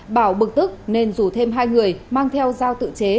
bảo bực tức nên rủ thêm hai người mang theo giao tự chế